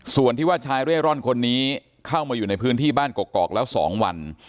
ส่วนที่ว่าชายเร่ร่อนคนนี้เข้ามาอยู่ในพื้นที่บ้านกอกแล้ว๒วัน